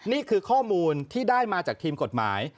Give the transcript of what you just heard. นี่คือข้อมูลที่ได้มาจากทีมกฎหมาย